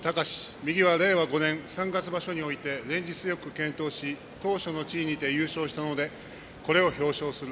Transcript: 右は令和５年三月場所において連日よく健闘し頭書の地位にて優勝したのでこれを表彰する。